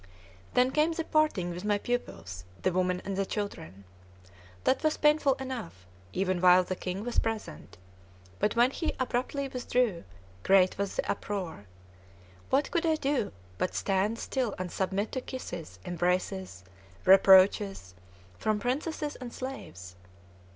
Then came the parting with my pupils, the women and the children. That was painful enough, even while the king was present; but when he abruptly withdrew, great was the uproar. What could I do, but stand still and submit to kisses, embraces, reproaches, from princesses and slaves?